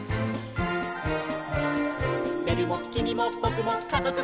「べるもきみもぼくもかぞくも」